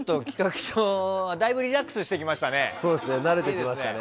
だいぶリラックスしてきましたね。